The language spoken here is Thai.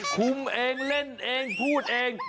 คุมเองเล่นเองพูดเอง